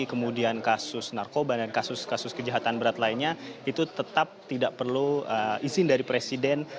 kemudian kasus narkoba dan kasus kasus kejahatan berat lainnya itu tetap tidak perlu izin dari presiden